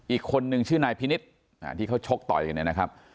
อีกคนนึงชื่อนายพินิศที่เขาชกต่ออย่างนี้นะครับ